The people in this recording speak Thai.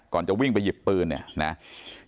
ก่อนจะวิ่งไปหยิบปืนเนี่ย